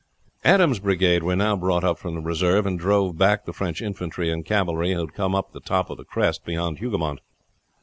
Adams' brigade were now brought up from the reserve, and drove back the French infantry and cavalry who had come up to the top of the crest beyond Hougoumont.